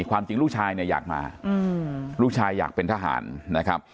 ความจริงลูกชายเนี่ยอยากมาลูกชายอยากเป็นทหารนะครับ